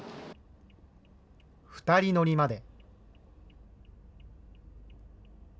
２人乗りまで。